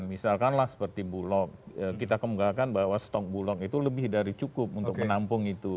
misalkanlah seperti bulog kita kemunggakan bahwa stok bulog itu lebih dari cukup untuk menampung itu